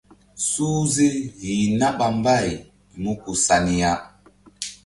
Suhze yeh na ɓa mbay mí ku sa ni ya.